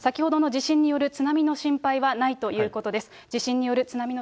地震による津波の心配はないということです。